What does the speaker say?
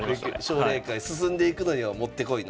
奨励会進んでいくのには持って来いの。